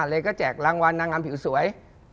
เลยก็แจกรางวัลนางงามผิวสวย